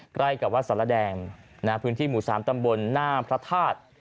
ใกล้กับวัดสารแดงพื้นที่หมู่๓ตำบลหน้าพระธาตุ